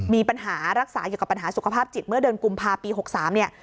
มีปัญหารักษาเกี่ยวกับปัญหาสุขภาพจิตเมื่อเดือนกุมภาปี๖๓เนี่ย